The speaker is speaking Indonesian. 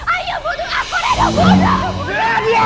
ayo bunuh aku reno bunuh